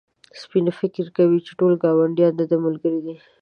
سپی فکر کوي چې ټول ګاونډيان د ده ملګري دي.